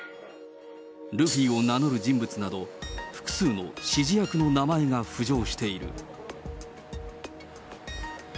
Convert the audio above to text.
ルフィを名乗る人物など、複数の指示役の名前が浮上している。